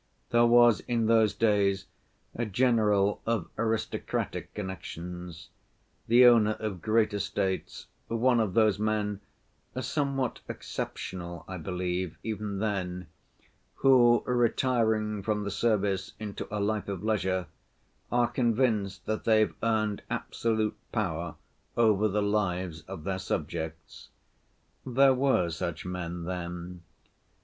There was in those days a general of aristocratic connections, the owner of great estates, one of those men—somewhat exceptional, I believe, even then—who, retiring from the service into a life of leisure, are convinced that they've earned absolute power over the lives of their subjects. There were such men then.